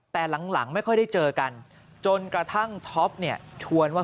แต่หลังไม่ค่อยได้เจอกันจนกระทั่งท็อปเนี่ยชวนว่า